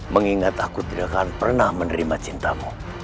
mengingat aku tidak akan pernah menerima cintamu